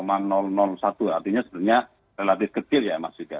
artinya sebenarnya relatif kecil ya mas yuda